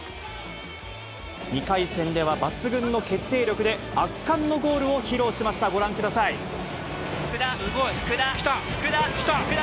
２回戦では抜群の決定力で圧巻のゴールを披露しました、ご覧くだ福田、すごい。